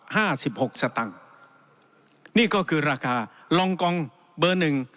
สิบหกสตังค์นี่ก็คือราคาลองกองเบอร์หนึ่ง